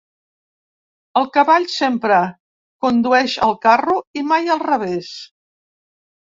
El cavall sempre condueix el carro i mai del revés.